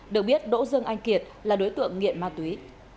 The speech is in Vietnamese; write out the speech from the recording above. được biết đỗ dương anh kiệt là đối tượng nghiện ma túy